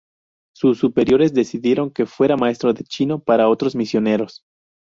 Sus superiores decidieron que fuera maestro de chino para otros misioneros.